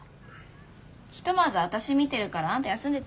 ひとまず私見てるからあんた休んでていいよ。